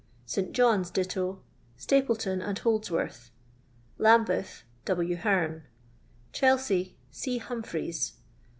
St. John's, ditto Stapleton and Holdsworth. Lambeth. W.Heame. Chelsea. C. Humphries.